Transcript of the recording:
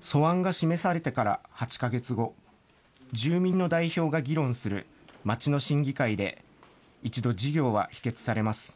素案が示されてから８か月後、住民の代表が議論する町の審議会で、一度事業は否決されます。